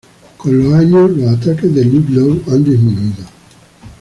Con los años los ataques de Ludlow han disminuido.